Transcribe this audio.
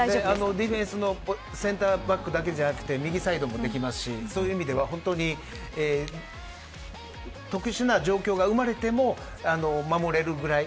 ディフェンスのセンターバックだけではなく右サイドもできますしそういう意味では特殊な状況が生まれても守れるぐらい